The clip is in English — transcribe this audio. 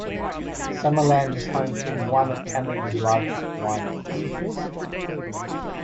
Summerland is home to one of Canada's largest wine industries.